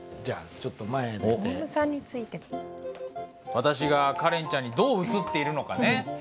私がカレンちゃんにどう映っているのかね。